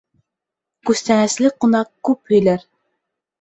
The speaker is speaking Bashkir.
Күстәнәсле ҡунаҡ күп һөйләр.